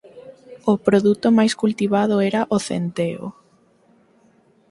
O produto máis cultivado era o centeo.